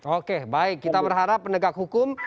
oke baik kita berharap pendegak hukum